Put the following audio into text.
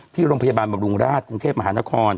ที่โรงพยาบาลบำรุงราชกรุงเทพมหานคร